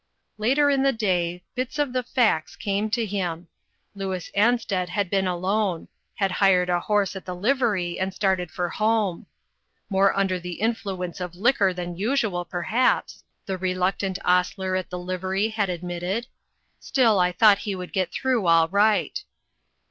Later in the day, bits of the facts came to him. Louis Ansted had been alone ; had hired a horse at the livery and started for home. " More under the influence of liquor than usual, perhaps," the reluctant hostler at the livery had admitted, "still, I thought he would get through all right."